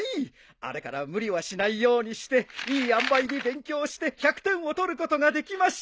あれから無理はしないようにしていいあんばいに勉強して１００点を取ることができました。